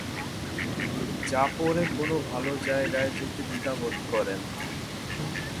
যা পরে কোনো ভালো জায়গায় যেতে দ্বিধা বোধ করেন।